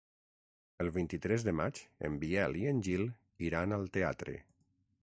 El vint-i-tres de maig en Biel i en Gil iran al teatre.